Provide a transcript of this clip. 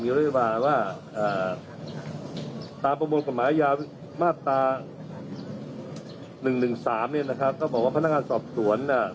๑๑๓เนี่ยนะครับก็บอกว่าพนักงานสอบส่วนเนี่ย